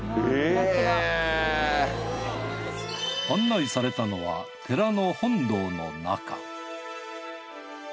案内されたのは寺の本堂の中